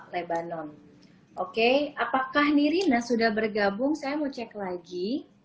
lebanon oke apakah nirina sudah bergabung saya mau cek lagi